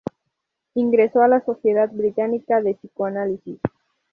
Ingresó a la Sociedad británica de psicoanálisis.